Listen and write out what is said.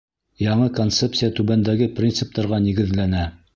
Яңы концепция түбәндәге принциптарға нигеҙләнә: